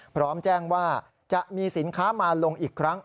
พร้อมแจ้งว่าจะมีสินค้ามาลงอีกครั้ง